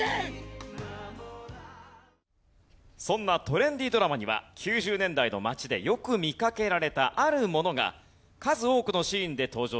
そんなトレンディードラマには９０年代の街でよく見かけられたあるものが数多くのシーンで登場していました。